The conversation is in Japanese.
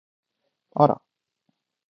あら！